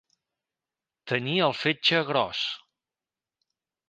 Tenir el fetge gros.